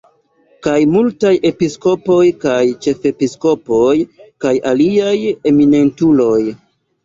Kaj multaj episkopoj kaj ĉefepiskopoj kaj aliaj eminentuloj.